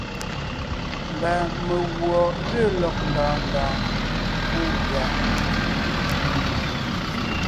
Mba meguɔ ge lɔg ndɔɔn ndɔɔn pú gʉa.